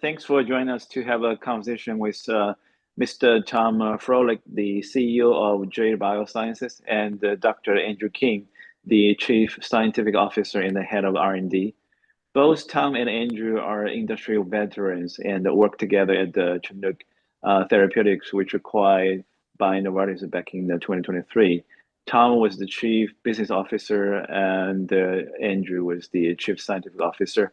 Thank you for joining us to have a conversation with Mr. Tom Frohlich, the CEO of Jade Biosciences, and Dr. Andrew King, the Chief Scientific Officer and the Head of R&D. Both Tom and Andrew are industry veterans and worked together at Chinook Therapeutics, which acquired BioNovartis in 2023. Tom was the Chief Business Officer, and Andrew was the Chief Scientific Officer.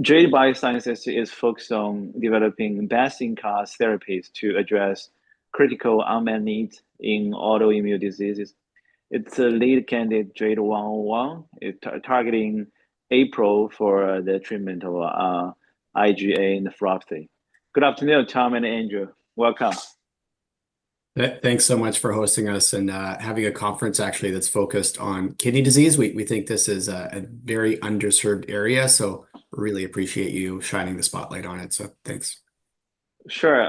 Jade Biosciences is focused on developing best-in-class therapies to address critical unmet needs in autoimmune diseases. Its lead candidate Jade101 targets APRIL for the treatment of IgA nephropathy. Good afternoon, Tom and Andrew. Welcome. Thanks so much for hosting us and having a conference that's actually focused on kidney disease. We think this is a very underserved area, so really appreciate you shining the spotlight on it. Thanks. Sure.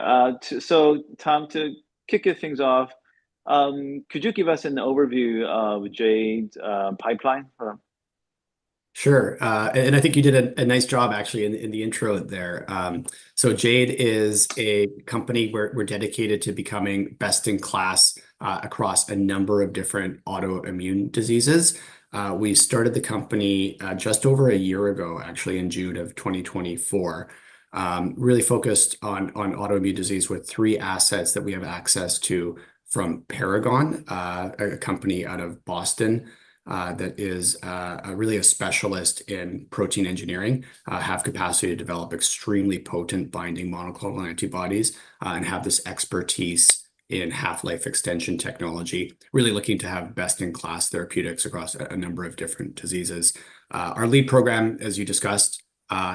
Tom, to kick things off, could you give us an overview of Jade's pipeline? Sure. I think you did a nice job, actually in the intro there. Jade is a company where we're dedicated to becoming best-in-class across a number of different autoimmune diseases. We started the company just over a year ago, actually in June of 2024, really focused on autoimmune disease with three assets that we have access to from Paragon, a company out of Boston that is really a specialist in protein engineering, has capacity to develop extremely potent binding monoclonal antibodies, and has this expertise in half-life extension technology, really looking to have best-in-class therapeutics across a number of different diseases. Our lead program, as you discussed,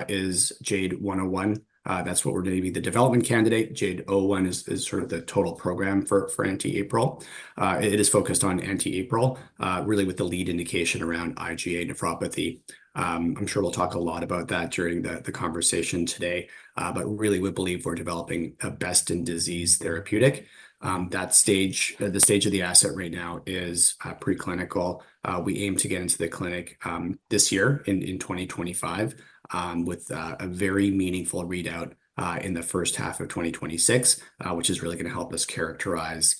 is Jade101. That's what we're going to be the development candidate. Jade101 is sort of the total program for anti-APRIL. It is focused on anti-APRIL, really with the lead indication around IgA nephropathy. I'm sure we'll talk a lot about that during the conversation today, but really, we believe we're developing a best-in-disease therapeutic. The stage of the asset right now is preclinical. We aim to get into the clinic this year, in 2025, with a very meaningful readout in the first half of 2026, which is really going to help us characterize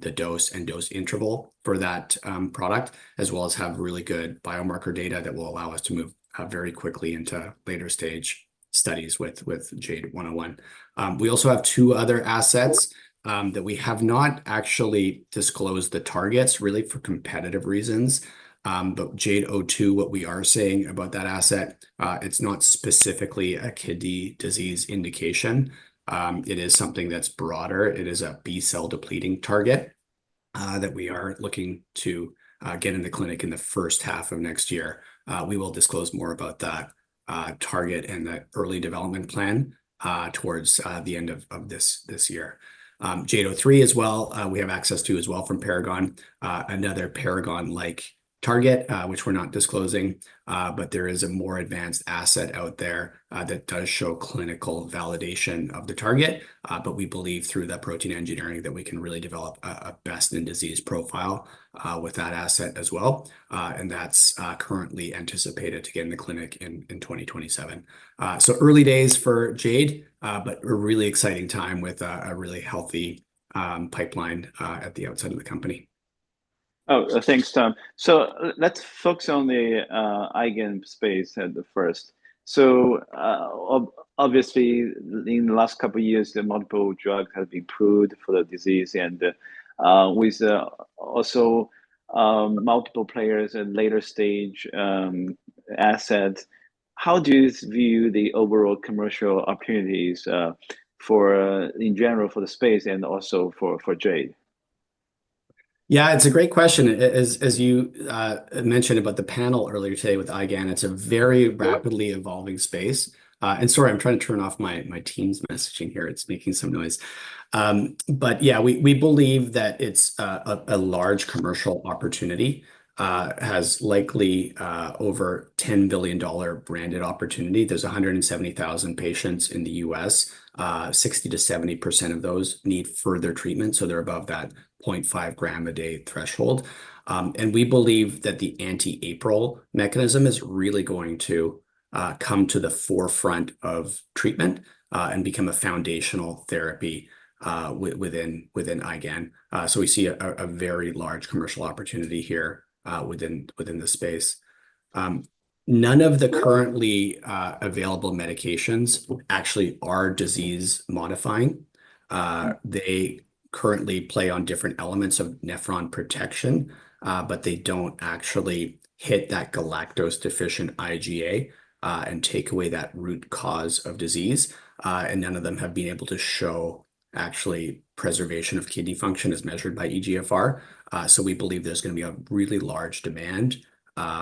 the dose and dose interval for that product, as well as have really good biomarker data that will allow us to move very quickly into later-stage studies with Jade101. We also have two other assets that we have not actually disclosed the targets for, really for competitive reasons, but Jade02, what we are saying about that asset, it's not specifically a kidney disease indication. It is something that's broader. It is a B-cell depleting target that we are looking to get in the clinic in the first half of next year. We will disclose more about that target and the early development plan towards the end of this year. Jade03 as well, we have access to as well from Paragon, another Paragon-like target, which we're not disclosing, but there is a more advanced asset out there that does show clinical validation of the target. We believe through that protein engineering that we can really develop a best-in-disease profile with that asset as well. That's currently anticipated to get in the clinic in 2027. Early days for Jade, but a really exciting time with a really healthy pipeline at the outset of the company. Thanks, Tom. Let's focus on the IgAN space first. In the last couple of years, multiple drugs have been approved for the disease with multiple players and later-stage assets. How do you view the overall commercial opportunities in general for the space and also for Jade? Yeah, it's a great question. As you mentioned about the panel earlier today with IgAN, it's a very rapidly evolving space. Sorry, I'm trying to turn off my team's messaging here. It's making some noise. Yeah, we believe that it's a large commercial opportunity. It has likely over a $10 billion branded opportunity. There's 170,000 patients in the U.S. 60% to 70% of those need further treatment. They're above that 0.5-gram-a-day threshold. We believe that the anti-APRIL mechanism is really going to come to the forefront of treatment and become a foundational therapy within IgAN. We see a very large commercial opportunity here within the space. None of the currently available medications actually are disease-modifying. They currently play on different elements of nephron protection, but they don't actually hit that galactose-deficient IgA and take away that root cause of disease. None of them have been able to show actually preservation of kidney function as measured by eGFR. We believe there's going to be a really large demand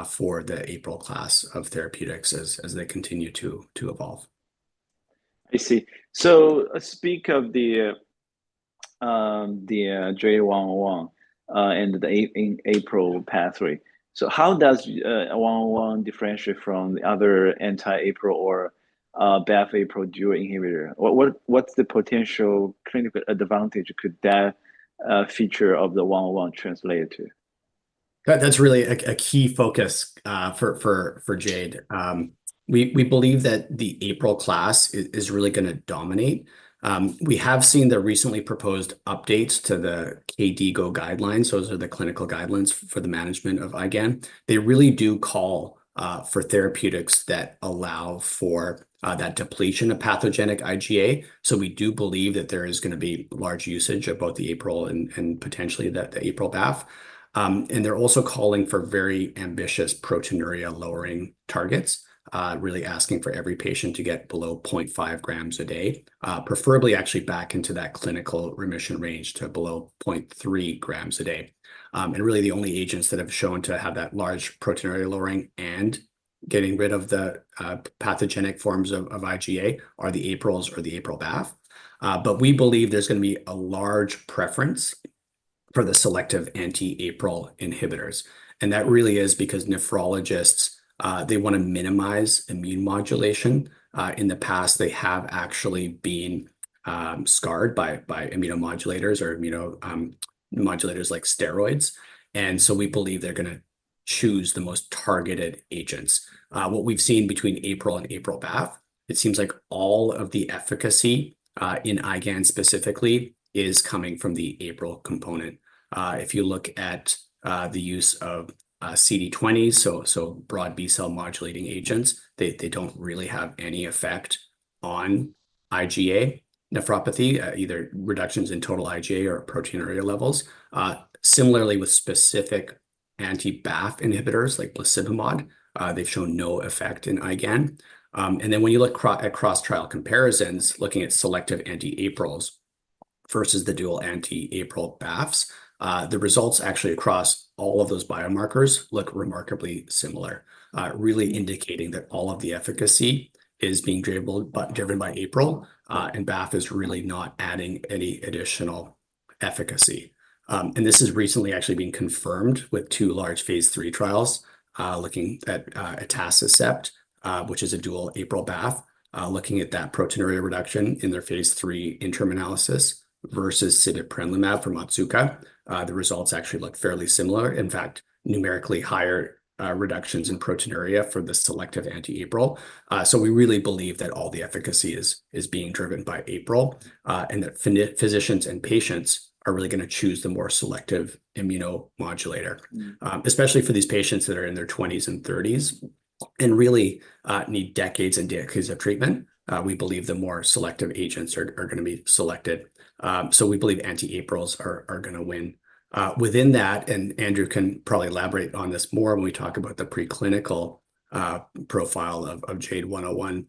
for the APRIL class of therapeutics as they continue to evolve. I see. Let's speak of the Jade101 and the APRIL pathway. How does Jade101 differentiate from the other anti-APRIL or BAFF-APRIL dual inhibitors? What potential clinical advantage could that feature of the Jade101 translate to? That's really a key focus for Jade. We believe that the APRIL class is really going to dominate. We have seen the recently proposed updates to the KDIGO guidelines. Those are the clinical guidelines for the management of IgAN. They really do call for therapeutics that allow for that depletion of pathogenic IgA. We do believe that there is going to be large usage of both the APRIL and potentially the APRIL-BAFF. They're also calling for very ambitious proteinuria-lowering targets, really asking for every patient to get below 0.5 grams a day, preferably actually back into that clinical remission range to below 0.3 grams a day. Really, the only agents that have shown to have that large proteinuria-lowering and getting rid of the pathogenic forms of IgA are the APRILs or the APRIL-BAFF. We believe there's going to be a large preference for the selective anti-APRIL inhibitors. That really is because nephrologists want to minimize immune modulation. In the past, they have actually been scarred by immunomodulators or immunomodulators like steroids. We believe they're going to choose the most targeted agents. What we've seen between APRIL and APRIL-BAFF, it seems like all of the efficacy in IgAN specifically is coming from the APRIL component. If you look at the use of CD20, so broad B-cell modulating agents, they don't really have any effect on IgA nephropathy, either reductions in total IgA or proteinuria levels. Similarly, with specific anti-BAFF inhibitors like leucidamide, they've shown no effect in IgAN. When you look at cross-trial comparisons, looking at selective anti-APRILs versus the dual anti-APRIL-BAFFs, the results actually across all of those biomarkers look remarkably similar, really indicating that all of the efficacy is being driven by APRIL and BAFF is really not adding any additional efficacy. This has recently actually been confirmed with two large phase III trials looking at atacicept, which is a dual APRIL-BAFF, looking at that proteinuria reduction in their phase III interim analysis versus sibeprenlimab from Otsuka. The results actually look fairly similar. In fact, numerically higher reductions in proteinuria for the selective anti-APRIL. We really believe that all the efficacy is being driven by APRIL and that physicians and patients are really going to choose the more selective immunomodulator, especially for these patients that are in their 20s and 30s and really need decades and decades of treatment. We believe the more selective agents are going to be selected. We believe anti-APRILs are going to win. Within that, and Andrew can probably elaborate on this more when we talk about the preclinical profile of Jade101,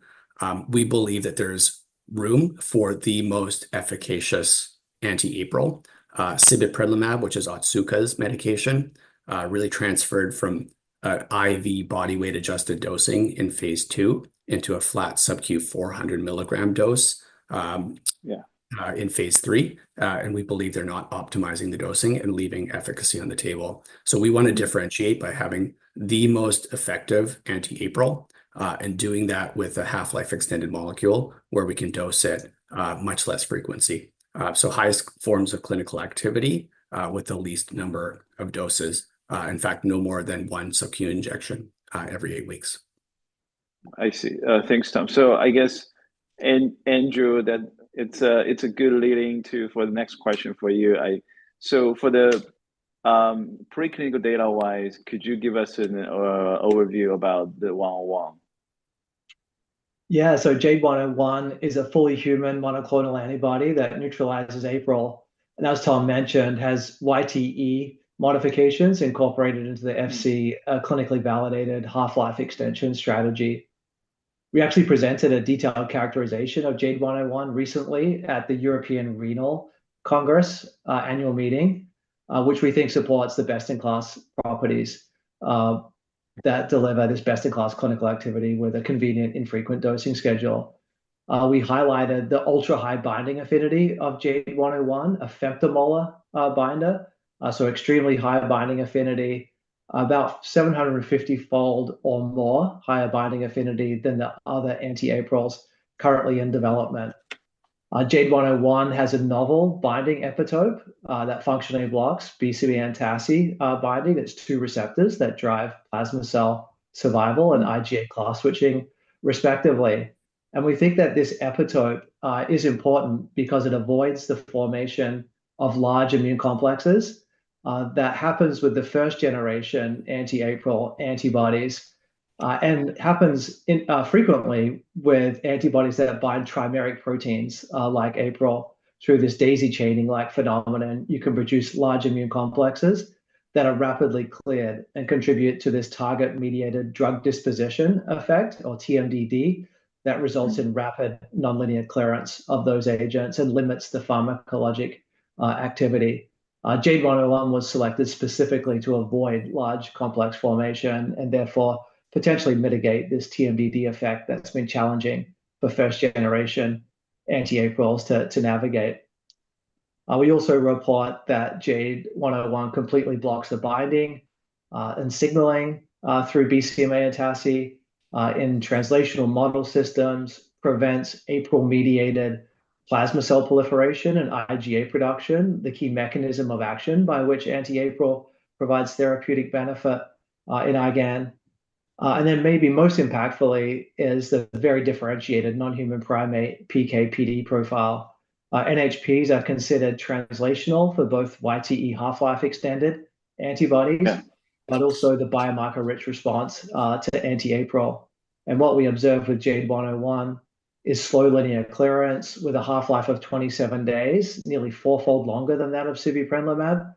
we believe that there's room for the most efficacious anti-APRIL, sibeprenlimab, which is Otsuka's medication, really transferred from an IV body weight adjusted dosing in phase II into a flat subcu 400 mg dose in phase III. We believe they're not optimizing the dosing and leaving efficacy on the table. We want to differentiate by having the most effective anti-APRIL and doing that with a half-life extended molecule where we can dose it at much less frequency. Highest forms of clinical activity with the least number of doses. In fact, no more than one subcu injection every eight weeks. I see. Thanks, Tom. I guess, and Andrew, that it's a good leading to for the next question for you. For the preclinical data-wise, could you give us an overview about the 101? Yeah, so Jade101 is a fully human monoclonal antibody that neutralizes APRIL. As Tom mentioned, it has YTE modifications incorporated into the Fc, clinically validated half-life extension strategy. We actually presented a detailed characterization of Jade101 recently at the European Renal Congress annual meeting, which we think supports the best-in-class properties that deliver this best-in-class clinical activity with a convenient infrequent dosing schedule. We highlighted the ultra-high binding affinity of Jade101, a femtomolar binder, so extremely high binding affinity, about 750-fold or more higher binding affinity than the other anti-APRILs currently in development. Jade101 has a novel binding epitope that functionally blocks BCMA and TACI binding. It's two receptors that drive plasma cell survival and IgA class switching, respectively. We think that this epitope is important because it avoids the formation of large immune complexes that happen with the first-generation anti-APRIL antibodies, and happens frequently with antibodies that bind trimeric proteins like APRIL through this daisy-chaining-like phenomenon. You can produce large immune complexes that are rapidly cleared and contribute to this target-mediated drug disposition effect, or TMDD, that results in rapid non-linear clearance of those agents and limits the pharmacologic activity. Jade101 was selected specifically to avoid large complex formation and therefore potentially mitigate this TMDD effect that's been challenging for first-generation anti-APRILs to navigate. We also report that Jade101 completely blocks the binding and signaling through BCMA and TACI in translational model systems, prevents APRIL-mediated plasma cell proliferation and IgA production, the key mechanism of action by which anti-APRIL provides therapeutic benefit in IgAN. Maybe most impactfully is the very differentiated non-human primate PK/PD profile. NHPs are considered translational for both YTE half-life extended antibody but also the biomarker-rich response to anti-APRIL. What we observe with Jade101 is slow linear clearance with a half-life of 27 days, nearly four-fold longer than that of sibeprenlimab.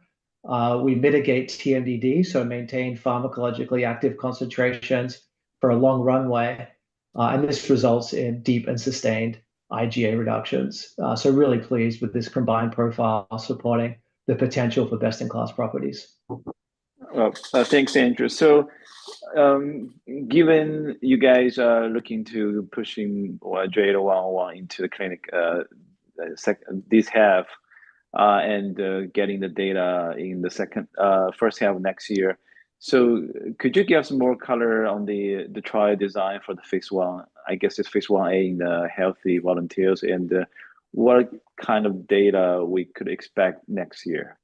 We mitigate TMDD, so maintain pharmacologically active concentrations for a long runway. This results in deep and sustained IgA reductions. Really pleased with this combined profile supporting the potential for best-in-class properties. Thanks, Andrew. Given you guys are looking to push Jade101 into the clinic this half and getting the data in the first half of next year, could you give us more color on the trial design for the Phase 1? I guess it's Phase 1a in the healthy volunteers, and what kind of data we could expect next year?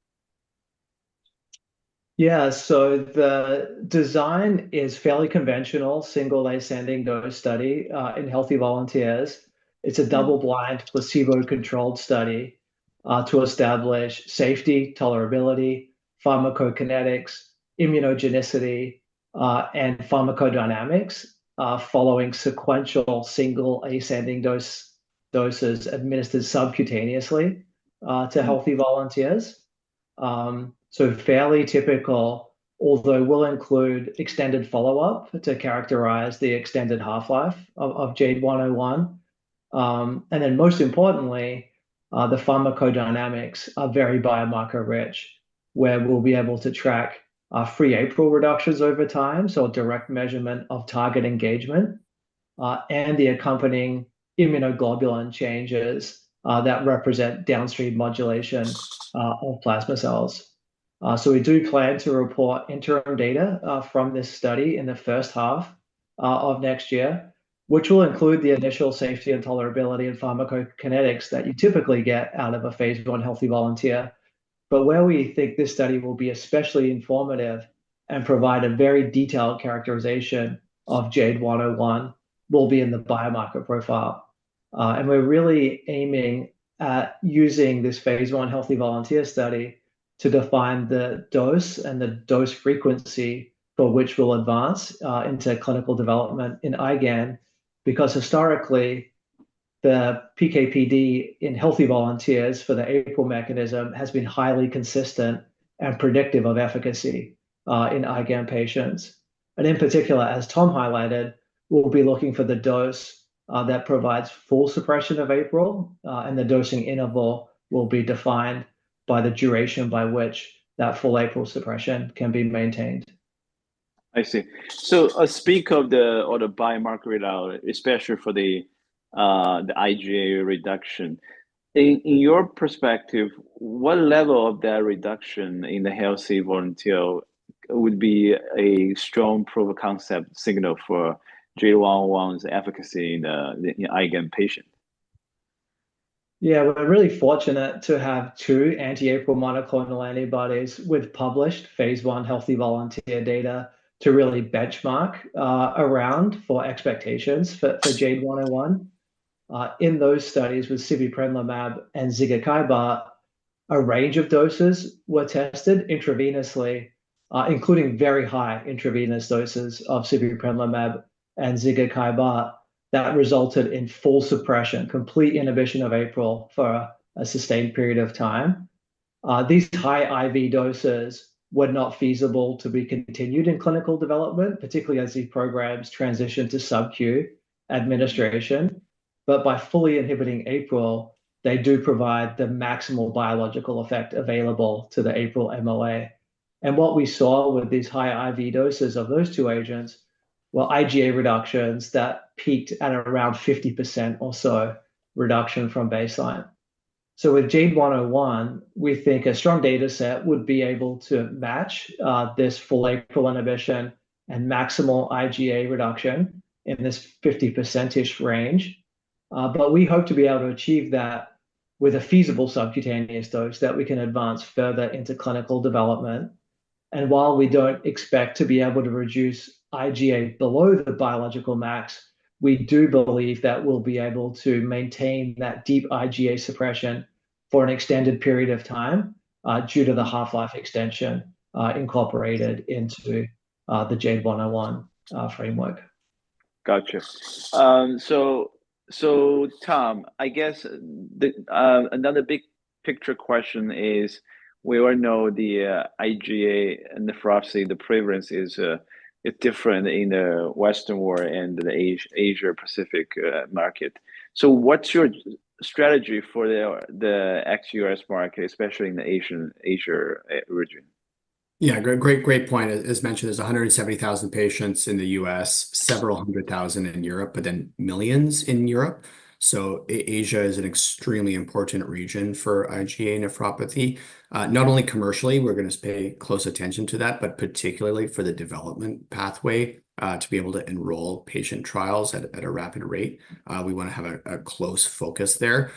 Yeah, the design is fairly conventional, single-ascending dose study in healthy volunteers. It's a double-blind, placebo-controlled study to establish safety, tolerability, pharmacokinetics, immunogenicity, and pharmacodynamics following sequential single-ascending doses administered subcutaneously to healthy volunteers. It's fairly typical, although we'll include extended follow-up to characterize the extended half-life of Jade101. Most importantly, the pharmacodynamics are very biomarker-rich, where we'll be able to track free APRIL reductions over time, so a direct measurement of target engagement and the accompanying immunoglobulin changes that represent downstream modulation of plasma cells. We do plan to report interim data from this study in the first half of next year, which will include the initial safety and tolerability and pharmacokinetics that you typically get out of a phase one healthy volunteer. Where we think this study will be especially informative and provide a very detailed characterization of Jade101 will be in the biomarker profile. We're really aiming at using this phase one healthy volunteer study to define the dose and the dose frequency for which we'll advance into clinical development in IgAN because historically the PK/PD in healthy volunteers for the APRIL mechanism has been highly consistent and predictive of efficacy in IgAN patients. In particular, as Tom highlighted, we'll be looking for the dose that provides full suppression of APRIL and the dosing interval will be defined by the duration by which that full APRIL suppression can be maintained. I see. Speaking of the biomarker now, especially for the IgA reduction, in your perspective, what level of that reduction in the healthy volunteer would be a strong proof of concept signal for Jade101's efficacy in the IgAN patient? Yeah, we're really fortunate to have two anti-APRIL monoclonal antibodies with published phase one healthy volunteer data to really benchmark around for expectations for Jade101. In those studies with sibeprenlimab and zigakibart, a range of doses were tested intravenously, including very high intravenous doses of sibeprenlimab and zigakibart that resulted in full suppression, complete inhibition of APRIL for a sustained period of time. These high IV doses were not feasible to be continued in clinical development, particularly as these programs transition to subcu administration. By fully inhibiting APRIL, they do provide the maximal biological effect available to the APRIL MOA. What we saw with these high IV doses of those two agents were IgA reductions that peaked at around 50% or so reduction from baseline. With Jade101, we think a strong data set would be able to match this full APRIL inhibition and maximal IgA reduction in this 50%-ish range. We hope to be able to achieve that with a feasible subcutaneous dose that we can advance further into clinical development. While we don't expect to be able to reduce IgA below the biological max, we do believe that we'll be able to maintain that deep IgA suppression for an extended period of time due to the half-life extension incorporated into the Jade101 framework. Gotcha. Tom, I guess another big picture question is we all know the IgA, the prevalence is different in the Western world and the Asia-Pacific market. What's your strategy for the ex-US market, especially in the Asia region? Yeah, great point. As mentioned, there's 170,000 patients in the U.S., several hundred thousand in Europe, but then millions in Asia. Asia is an extremely important region for IgA nephropathy. Not only commercially, we're going to pay close attention to that, but particularly for the development pathway to be able to enroll patient trials at a rapid rate. We want to have a close focus there.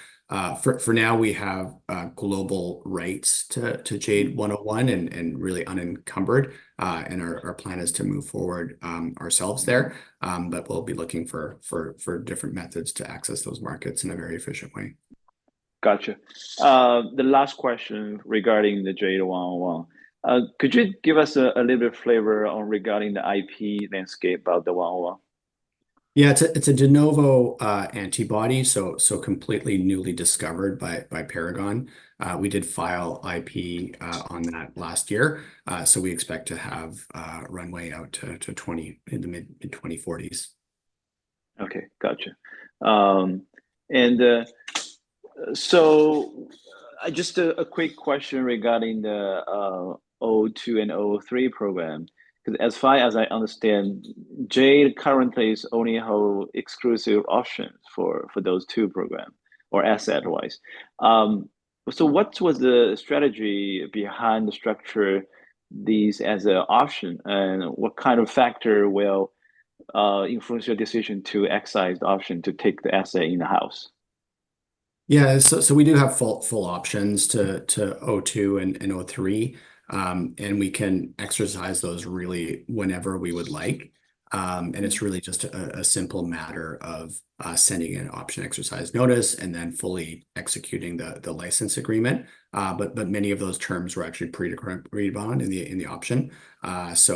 For now, we have global rights to Jade101 and really unencumbered, and our plan is to move forward ourselves there. We'll be looking for different methods to access those markets in a very efficient way. Gotcha. The last question regarding the Jade101, could you give us a little bit of flavor regarding the IP landscape about the 101? Yeah, it's a de novo antibody, so completely newly discovered by Paragon. We did file IP on that last year. We expect to have runway out to 2040 in the mid-2040s. Okay, gotcha. Just a quick question regarding the Jade02 and Jade03 program. As far as I understand, Jade currently is the only exclusive option for those two programs or asset-wise. What was the strategy behind the structure of these as an option? What kind of factor will influence your decision to exercise the option to take the asset in-house? Yeah, we do have full options to Jade02 and Jade03, and we can exercise those really whenever we would like. It's really just a simple matter of sending an option exercise notice and then fully executing the license agreement. Many of those terms were actually pre-recorded in the option. It's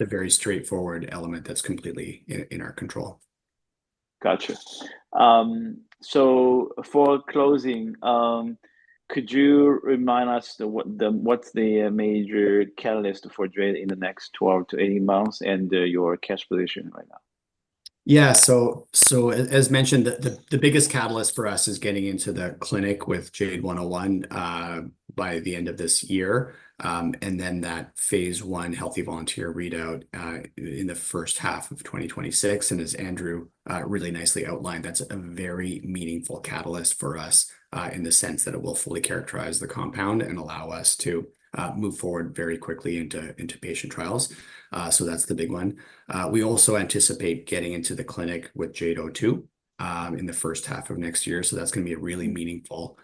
a very straightforward element that's completely in our control. Gotcha. For closing, could you remind us what's the major catalyst for Jade in the next 12 to 18 months and your cash position right now? Yeah, as mentioned, the biggest catalyst for us is getting into the clinic with Jade101 by the end of this year. That phase one healthy volunteer readout in the first half of 2026 is a very meaningful catalyst for us in the sense that it will fully characterize the compound and allow us to move forward very quickly into patient trials. That's the big one. We also anticipate getting into the clinic with Jade02 in the first half of next year. That is going to be a really meaningful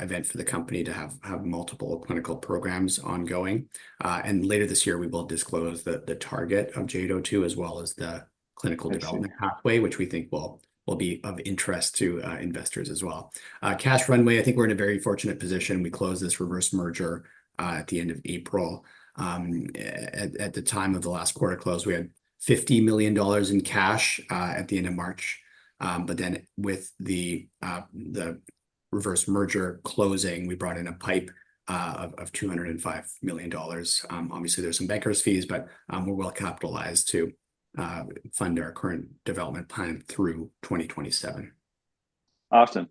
event for the company to have multiple clinical programs ongoing. Later this year, we will disclose the target of Jade02 as well as the clinical development pathway, which we think will be of interest to investors as well. Cash runway, I think we're in a very fortunate position. We closed this reverse merger at the end of April. At the time of the last quarter close, we had $50 million in cash at the end of March. With the reverse merger closing, we brought in a PIPE of $205 million. Obviously, there's some bankers' fees, but we're well capitalized to fund our current development plan through 2027. Awesome.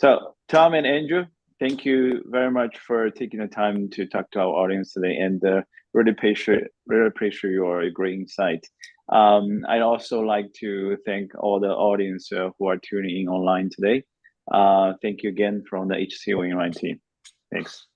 Tom and Andrew, thank you very much for taking the time to talk to our audience today. I really appreciate your great insight. I'd also like to thank all the audience who are tuning in online today. Thank you again from the HCLA and RIT. Thanks. Thanks.